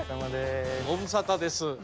ご無沙汰です。